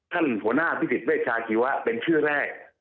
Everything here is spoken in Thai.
ท่านหัวหน้าพิสิทเวชาชีวะเป็นชื่อแรก